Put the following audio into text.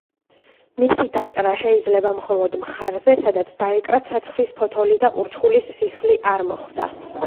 მისი დაჭრა შეიძლება მხოლოდ მხარზე, სადაც დაეკრა ცაცხვის ფოთოლი და ურჩხულის სისხლი არ მოხვდა.